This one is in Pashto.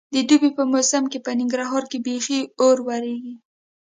د دوبي په موسم کې په ننګرهار کې بیخي اور ورېږي.